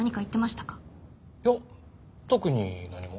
いや特に何も？